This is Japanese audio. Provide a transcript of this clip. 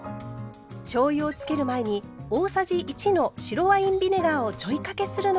しょうゆを付ける前に大さじ１の白ワインビネガーをちょいかけするのがおすすめ。